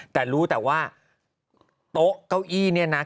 แต่รู้แต่ว่าโต๊ะเก้าอี้เนี่ยนะ